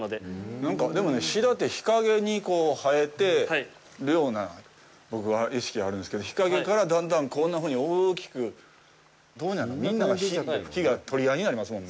なんかシダって日陰に生えてるような、僕は意識があるんですけど、日陰からだんだんこんなふうに大きく、どう言うの、みんなが日が取り合いになりますもんね。